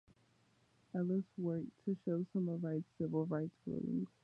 Ellis worked to slow some of Wright's civil rights rulings.